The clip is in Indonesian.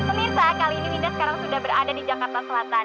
pemirsa kali ini linda sekarang sudah berada di jakarta selatan